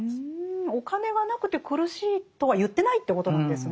お金がなくて苦しいとは言ってないということなんですね。